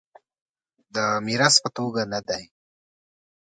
د میراث په توګه نه دی.